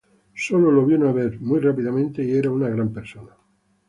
Sólo lo conocí una vez rápidamente y era una gran persona.